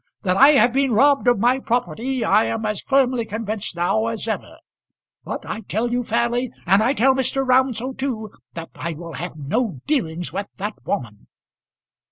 That I have been robbed of my property I am as firmly convinced now as ever. But I tell you fairly, and I tell Mr. Round so too, that I will have no dealings with that woman."